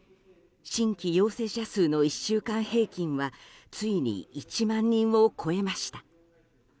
新規陽性者数の１週間平均はついに１万人を超えました。